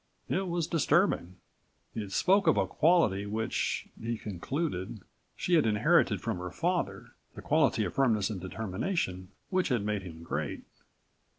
It was disturbing. It spoke of a quality which, he concluded, she had inherited from her father, the quality of firmness and determination, which had made him great.